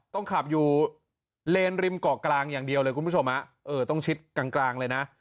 ต้องขับอยู่เลนริมเกาะกลางอย่างเดียวเลยต้องชิดกลางเลยนะ